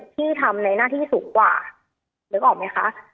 ที่ทำในหน้าที่สูงกว่านึกออกไหมคะ